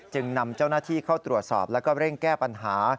นำเจ้าหน้าที่เข้าตรวจสอบแล้วก็เร่งแก้ปัญหา